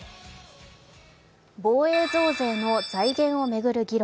防衛増税の財源を巡る議論。